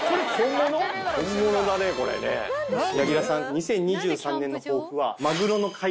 ２０２３年の抱負は。